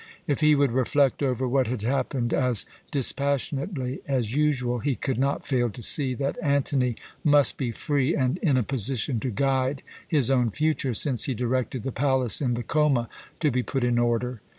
If he would reflect over what had happened as dispassionately as usual, he could not fail to see that Antony must be free and in a position to guide his own future, since he directed the palace in the Choma to be put in order.